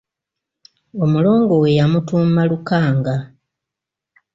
Omulongo we yamutuuma Lukanga.